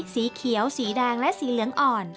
สีเขียวสีแดงและสีเหลืองอ่อน